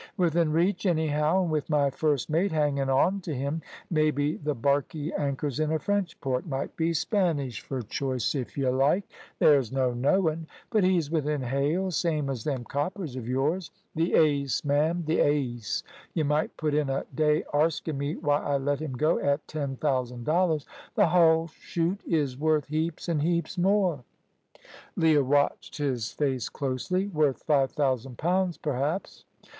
"Within reach, anyhow, and with my first mate hangin' on t' him. Maybe the barkey anchors in a French port. Might be Spanish fur choice, if y' like there's no knowin'. But he's within hail, same as them coppers of yours. The ace, ma'am, the ace. Y' might put in a day arskin' me why I let him go at ten thousand dollars. Th' hull shoot is worth heaps an' heaps more." Leah watched his face closely. "Worth five thousand pounds, perhaps?"